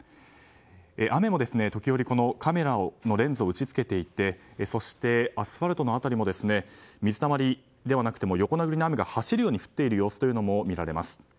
雨も時折カメラのレンズを打ち付けていてそしてアスファルトの辺りも水たまりではなくて横殴りの雨が走るように降っている様子も見られます。